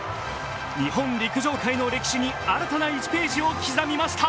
日本陸上界の歴史に新たな１ページを刻みました。